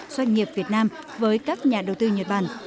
doanh nghiệp việt nam với các nhà đầu tư nhật bản